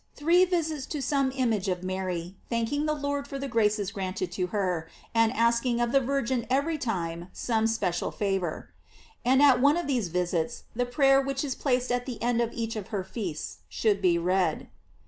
Three visits to some image of Mary, thanking the Lord for the graces granted to her, and asking of the Virgin every time some special favor; and at one of these visits the prayer which is placed at the end of each of her feasts should be read.